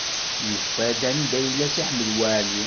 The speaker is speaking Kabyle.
Yufa-d anda yella Si Ḥmed Waɛli.